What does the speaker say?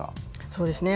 そうですね。